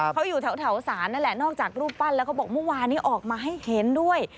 เขาอยู่แถวศาลนั่นแหละนอกจากรูปปั้นแล้วเขาบอกเมื่อวานนี้ออกมาให้เห็นด้วย